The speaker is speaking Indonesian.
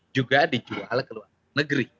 juga dijual ke luar negeri